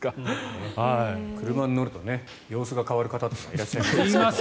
車に乗ると様子が変わる方というのがいらっしゃいますからね。